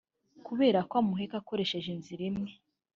Kubera ko ahumeka akoresheje inzira imwe